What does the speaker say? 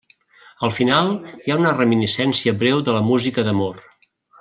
Al final, hi ha una reminiscència breu de la música d'amor.